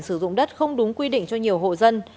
sử dụng đất không đúng quy định cho nhiều hộ dân